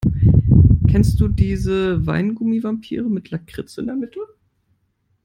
Kennst du diese Weingummi-Vampire mit Lakritz in der Mitte?